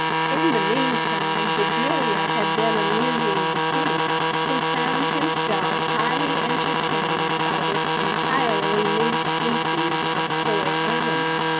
In the meantime Bedelia had been amusing the King, who found himself highly entertained by this entirely new species of toy animal.